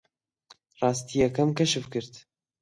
ڕاستییەکەم کەشف کرد.